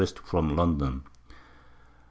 from London.